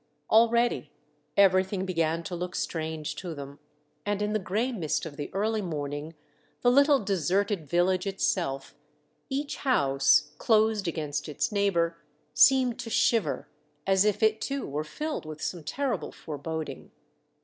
Already everything began 90 Monday Tales, to look strange to them, and in the gray mist of the early morning the little deserted village itself, each house closed against its neighbor, seemed to shiver as if it too were filled with some terrible foreboding.